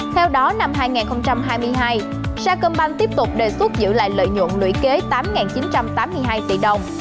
theo đó năm hai nghìn hai mươi hai sa cơm banh tiếp tục đề xuất giữ lại lợi nhuận lũy kế tám chín trăm tám mươi hai tỷ đồng